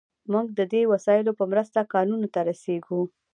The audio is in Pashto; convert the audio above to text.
موږ د دې وسایلو په مرسته کانونو ته رسیږو.